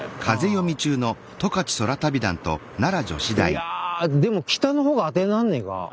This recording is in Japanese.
いやでも北の方が当てになんねぇか。